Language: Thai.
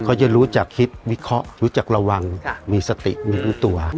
เขาจะรู้จักคิดวิเคราะห์รู้จักระวังมีสติมีรู้ตัว